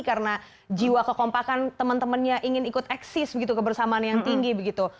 karena jiwa kekompakan temen temennya ingin ikut eksis begitu kebersamaan yang tinggi begitu